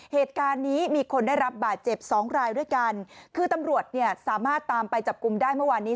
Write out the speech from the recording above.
เหตุการณ์นี้มีคนได้รับบาดเจ็บสองรายด้วยกันคือตำรวจเนี่ยสามารถตามไปจับกลุ่มได้เมื่อวานนี้